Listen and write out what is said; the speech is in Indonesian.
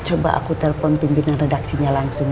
coba aku telepon pimpinan redaksinya langsung ya